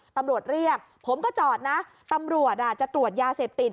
ตำรวจเรียกผมก็จอดนะตำรวจจะตรวจยาเสพติด